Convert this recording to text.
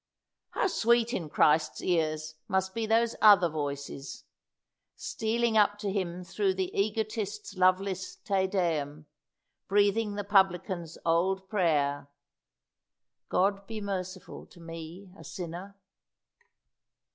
How sweet in Christ's ears must be those other voices stealing up to Him through the egotist's loveless Te Deum breathing the publican's old prayer, "God be merciful to me a sinner!"